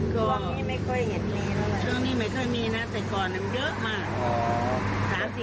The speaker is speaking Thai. ก็ตอนนี้ไม่ค่อยอยากเล่นตอนนี้ไม่ค่อยมีนะแต่ก่อนมันเยอะมาก